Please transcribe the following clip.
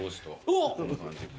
おっ！